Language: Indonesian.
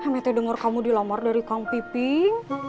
me dengar kamu dilamar dari kang piping